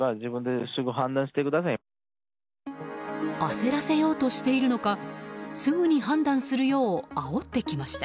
焦らせようとしているのかすぐに判断するようあおってきました。